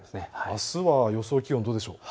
あすは予想気温はどうでしょうか。